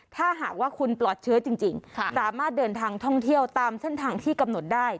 ถ้าหากว่าคุณปลอดเชื้อจริงสามารถเดินทางท่องเที่ยวตามเส้นทางที่กำหนดได้